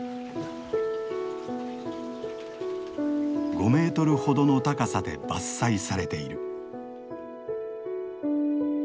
５メートルほどの高さで伐採されている。